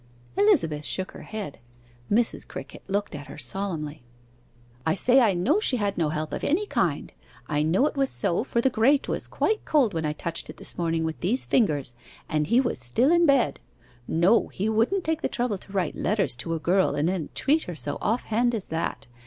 Elizabeth shook her head Mrs. Crickett looked at her solemnly. 'I say I know she had no help of any kind; I know it was so, for the grate was quite cold when I touched it this morning with these fingers, and he was still in bed. No, he wouldn't take the trouble to write letters to a girl and then treat her so off hand as that.